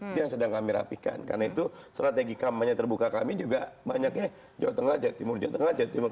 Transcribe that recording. itu yang sedang kami rapikan karena itu strategi kampanye terbuka kami juga banyaknya jawa tengah jawa timur jawa tengah jawa timur